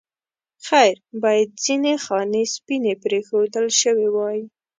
خیر باید ځینې خانې سپینې پرېښودل شوې وای.